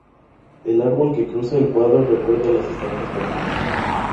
El árbol que cruza el cuadro recuerda las estampas japonesas.